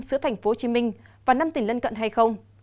giữa tp hcm và năm tỉnh lân cận hay không